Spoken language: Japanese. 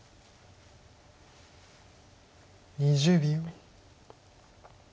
２０秒。